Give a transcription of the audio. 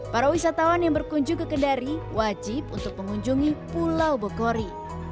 para wisatawan yang berkunjung ke kendari wajib untuk mengunjungi pulau bogori